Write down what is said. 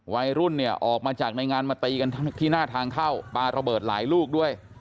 วัยรุ่นเนี่ยออกมาจากในงานมาตีกันที่หน้าทางเข้าปลาระเบิดหลายลูกด้วย